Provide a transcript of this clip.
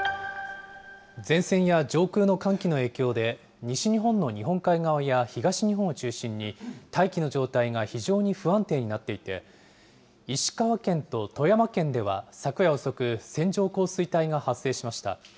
前線や上空の寒気の影響で西日本の日本海側や東日本を中心に大気の状態が非常に不安定になっていて、石川県と富山県では昨夜遅く、線状降水帯が発生しました。